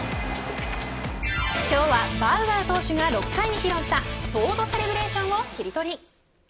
今日はバウアー投手が６回に披露したソードセレブレーションをキリトリ。